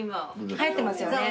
はやってますよね。